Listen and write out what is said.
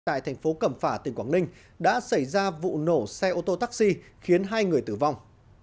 tại thành phố cẩm phả tỉnh quảng ninh đã xảy ra vụ nổ xe ô tô taxi khiến hai người tử vong